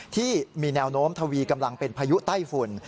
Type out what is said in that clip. ที่มีแนวโน้มทวีกำลังเป็นพายุไต้ฝุ่น